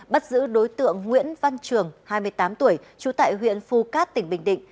bắt giữ đối tượng nguyễn văn trường hai mươi tám tuổi trú tại huyện phu cát tỉnh bình định